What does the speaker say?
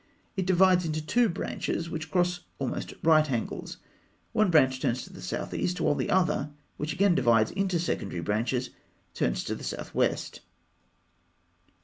It divides into two branches, which cross almost at right angles. One branch turns to the south east, while the other, which again divides into secondary branches, turns to the south west.